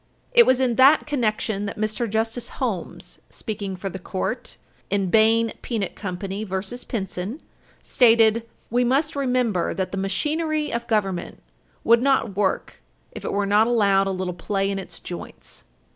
It was in that connection that Mr. Justice Holmes, speaking for the Court in Bain Peanut Co. v. Pinson, 282 U. S. 499, 282 U. S. 501, stated, "We must remember that the machinery of government would not work if it were not allowed a little play in its joints."